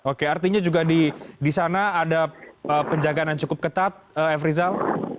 oke artinya juga di sana ada penjagaan yang cukup ketat f rizal